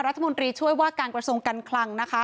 รัฐมนตรีช่วยว่าการกระทรวงการคลังนะคะ